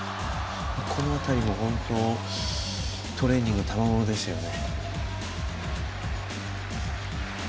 この辺りも本当トレーニングのたまものですよね。